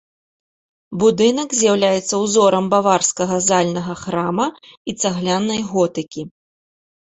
Будынак з'яўляецца ўзорам баварскага зальнага храма і цаглянай готыкі.